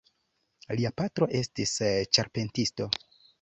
Lia patro estis ĉarpentisto.